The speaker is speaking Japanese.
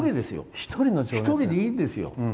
１人でいいんですよ。